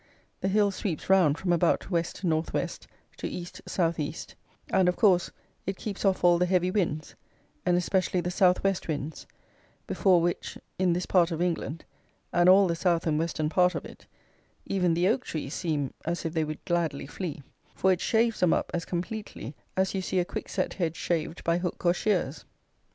The hill sweeps round from about West North West, to East South East; and, of course, it keeps off all the heavy winds, and especially the South West winds, before which, in this part of England (and all the South and Western part of it) even the oak trees seem as if they would gladly flee; for it shaves them up as completely as you see a quickset hedge shaved by hook or shears.